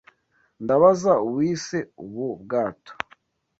Ndabaza uwise ubu bwato.